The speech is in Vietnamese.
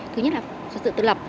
thứ nhất là sự tự lập